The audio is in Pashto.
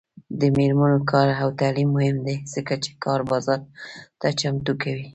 د میرمنو کار او تعلیم مهم دی ځکه چې کار بازار ته چمتو کوي.